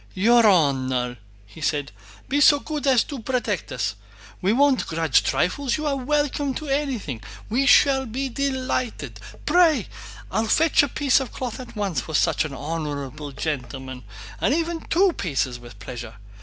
"Your honor!" said he. "Be so good as to protect us! We won't grudge trifles, you are welcome to anything—we shall be delighted! Pray!... I'll fetch a piece of cloth at once for such an honorable gentleman, or even two pieces with pleasure.